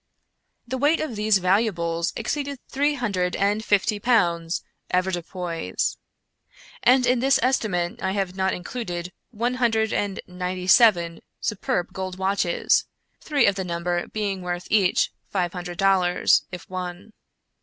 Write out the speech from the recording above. The weight of these valuables exceeded three hundred and fifty pounds avoirdupois ; and in this estimate I have not included one hundred and ninety seven superb gold watches ; three of the number being worth each five hundred dollars, if one.